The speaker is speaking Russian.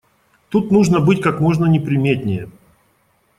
Тут нужно быть как можно неприметнее.